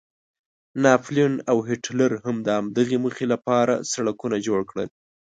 ناپلیون او هیټلر هم د همدغې موخې لپاره سړکونه جوړ کړل.